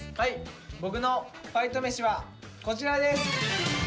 僕のファイト飯はこちらです！